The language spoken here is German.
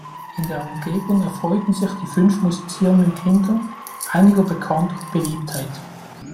In der Umgebung erfreuten sich die fünf musizierenden Kinder einiger Bekannt- und Beliebtheit.